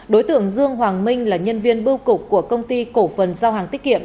đối tượng dương hoàng minh là nhân viên bưu cục của công ty cổ phần giao hàng tiết kiệm